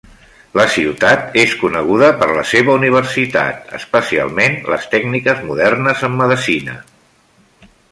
La ciutat és coneguda per la seva universitat, especialment les tècniques modernes en medicina.